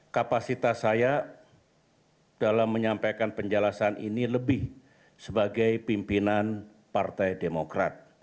kapasitas saya dalam menyampaikan penjelasan ini lebih sebagai pimpinan partai demokrat